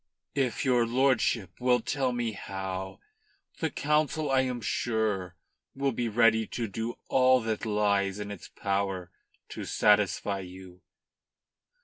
"If your lordship will tell me how, the Council, I am sure, will be ready to do all that lies in its power to satisfy you."